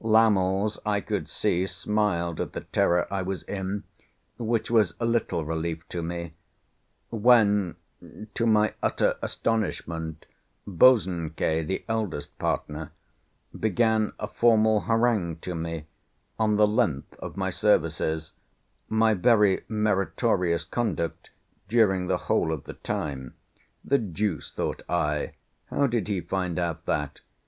L——, I could see, smiled at the terror I was in, which was a little relief to me,—when to my utter astonishment B——, the eldest partner, began a formal harangue to me on the length of my services, my very meritorious conduct during the whole of the time (the deuce, thought I, how did he find out that?